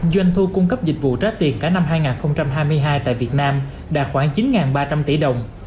doanh thu cung cấp dịch vụ trái tiền cả năm hai nghìn hai mươi hai tại việt nam đạt khoảng chín ba trăm linh tỷ đồng